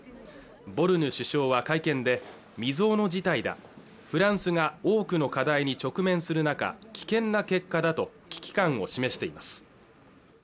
ボルヌ首相は会見で未曾有の事態だフランスが多くの課題に直面する中危険な結果だと危機感を示しています